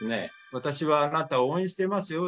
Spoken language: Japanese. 「私はあなたを応援してますよ！」